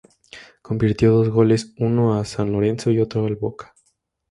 Convirtió dos goles, uno a San Lorenzo y el otro a Boca.